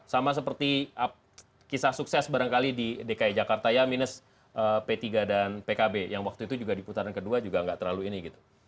sama seperti kisah sukses barangkali di dki jakarta ya minus p tiga dan pkb yang waktu itu juga di putaran kedua juga nggak terlalu ini gitu